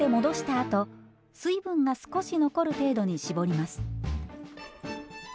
あと水分が少し残る程度に絞ります。